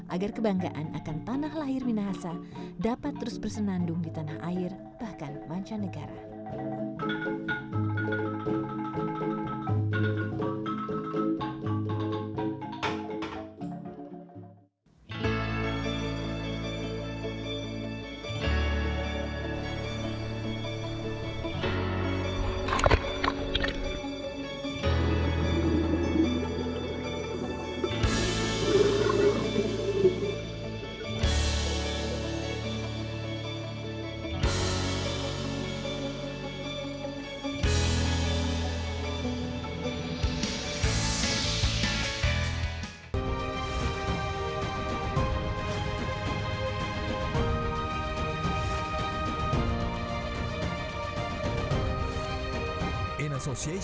agar kebanggaan akan tanah lahir minahasa dapat terus bersenandung di tanah air bahkan mancanegara